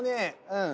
うん。